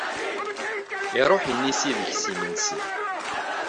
Iṛuḥ inisi deg-s imensi!